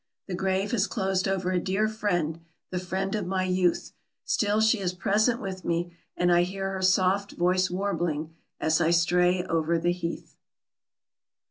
The grave has closed over a dear friend, the friend of my youth; still she is present with me, and I hear her soft voice warbling as I stray over the heath."